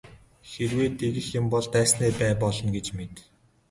Хэрвээ тэгэх юм бол дайсны бай болно гэж мэд.